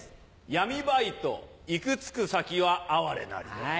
闇バイト行く着く先は哀れなり。